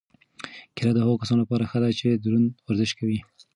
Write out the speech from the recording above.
کیله د هغو کسانو لپاره ښه ده چې دروند ورزش کوي.